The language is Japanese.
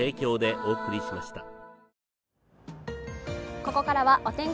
ここからはお天気